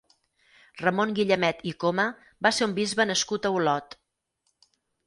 Ramon Guillamet i Coma va ser un bisbe nascut a Olot.